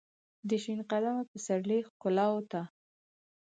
دشین قدمه پسرلی ښکالو ته ،